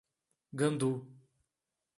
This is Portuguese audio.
Gandu